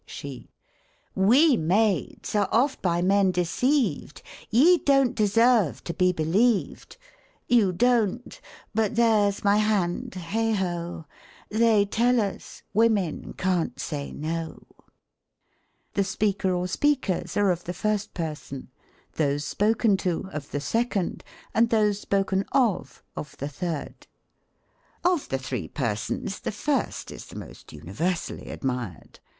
SHE. We maids are oft by men deceived ; Ye don't deserve to be believed; You don't — but there's my hand — heigho ! They tell us, women can't say no ! The speaker or speakers are of the first person ; those spoken to, of the second ; and those spoken of, of the. third. Of the three persons, the first is the most universally admired.